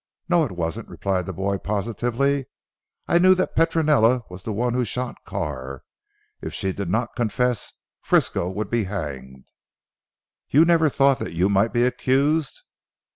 "No, it wasn't," replied the boy positively, "I knew that Petronella was the one who shot Carr. If she did not confess, Frisco would be hanged " "You never thought you might be accused?"